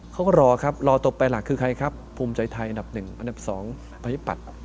เขาก็รอครับรอต่อไปหลักคือใครครับภูมิใจไทยอันดับ๑อันดับ๒อภิปรัชน์